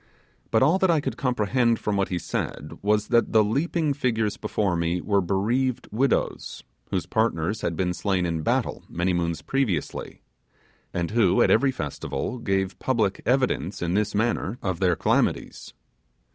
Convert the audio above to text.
But all that I could comprehend from what he said was, that the leaping figures before me were bereaved widows, whose partners had been slain in battle many moons previously; and who, at every festival, gave public evidence in this manner of their calamities.